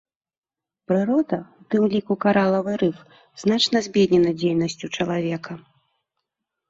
Прырода, у тым ліку каралавы рыф, значна збеднена дзейнасцю чалавека.